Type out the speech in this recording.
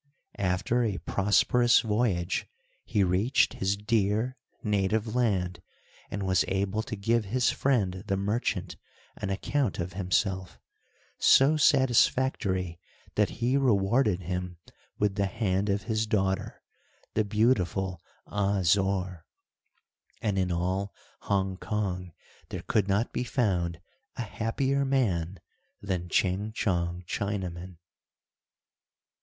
After a prosperous voyage, he reached his dear, native land, and was able to give his friend the merchant, an account of himself, so satisfactory that he rewarded him with the hand of his daughter, the beautiful Ah Zore, and in all Hong Kong there could not be found a happier man than Ching Chong Chinaman.